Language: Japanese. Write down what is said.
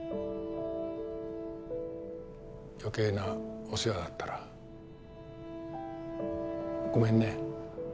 余計なお世話だったらごめんね。